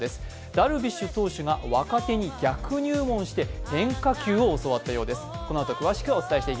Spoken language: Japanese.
ダルビッシュ投手が若手に逆入門して変化球を教わったようです。